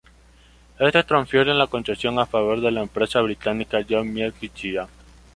Estos transfieren la concesión a favor de la empresa británica John Meiggs y cía.